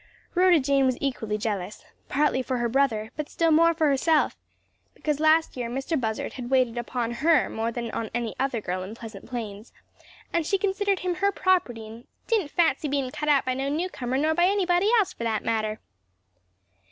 Rhoda Jane was equally jealous partly for her brother, but still more for herself; because last year Mr. Buzzard had waited upon her more than on any other girl in Pleasant Plains, and she considered him her property and "didn't fancy bein' cut out by no newcomer nor by anybody else, for that matter."